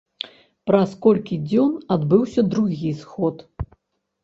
Праз колькі дзён адбыўся другі сход.